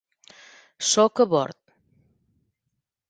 Sóc a bord.